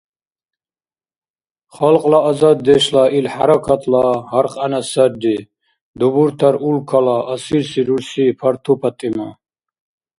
Халкьла азаддешла ил хӀяракатла гьаркьяна сарри Дубуртар Улкала, Асилси рурси Парту ПатӀима.